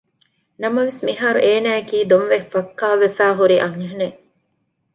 ނަމަވެސް މިހާރު އޭނާއަކީ ދޮންވެ ފައްކާވެފައި ހުރި އަންހެނެއް